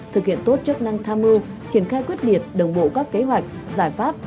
thực hiện tốt chức năng tham mưu triển khai quyết liệt đồng bộ các kế hoạch giải pháp